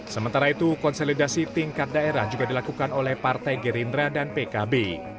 sementara itu konsolidasi tingkat daerah juga dilakukan oleh partai gerindra dan pkb